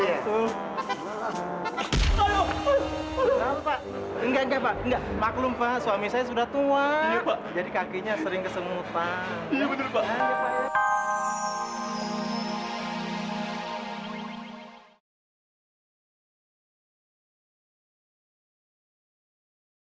enggak enggak pak maklum pak suami saya sudah tua jadi kakinya sering kesengut pak